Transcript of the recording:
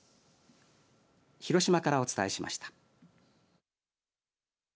広島からお伝えしました。